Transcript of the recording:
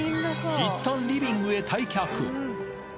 いったんリビングへ退却。